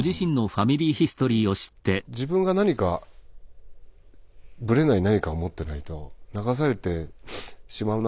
自分が何かぶれない何かを持ってないと流されてしまう中